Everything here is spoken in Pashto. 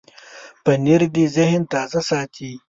پنېر د ذهن تازه ساتي.